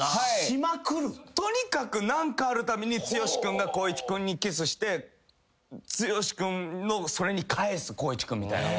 とにかく何かあるたびに剛君が光一君にキスして剛君のそれに返す光一君みたいな。